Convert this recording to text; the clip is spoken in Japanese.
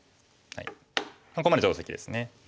ここまで定石ですね。